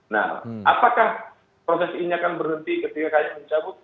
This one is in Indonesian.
nah apakah proses ini akan berhenti ketika kami mencabut